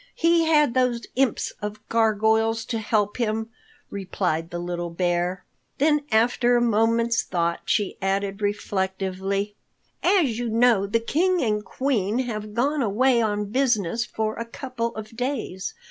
He had those imps of gargoyles to help him," replied the little bear. Then after a moment's thought, she added reflectively, "As you know, the King and Queen have gone away on business for a couple of days.